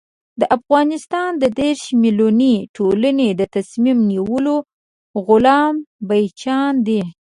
د افغانستان د دېرش ملیوني ټولنې د تصمیم نیولو غلام بچیان دي.